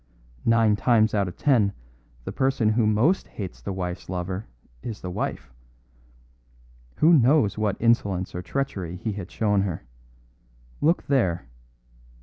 Nine times out of ten the person who most hates the wife's lover is the wife. Who knows what insolence or treachery he had shown her look there!"